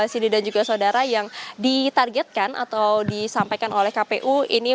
sindi dan juga saudara yang ditargetkan atau disampaikan oleh kpu ini